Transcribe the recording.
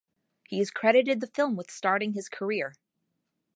He has credited the film with starting his career.